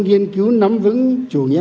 nghiên cứu nắm vững chủ nghĩa